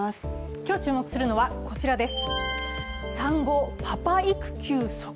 今日、注目するのはこちらです。